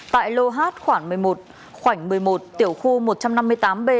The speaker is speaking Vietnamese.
tại lô hát khoảng một mươi một tiểu khu một trăm năm mươi tám b